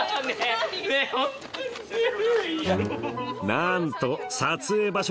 なんと撮影場所